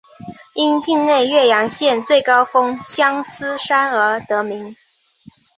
因境内岳阳县最高峰相思山而得名。